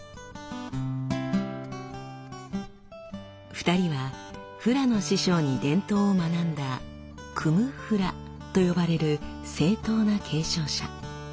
２人はフラの師匠に伝統を学んだ「クム・フラ」と呼ばれる正統な継承者。